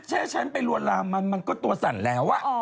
แค่ฉันไปรัวรามมันก็ตัวสั่นแล้วอะ